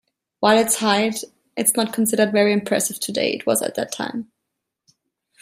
While its height is not considered very impressive today, it was at that time.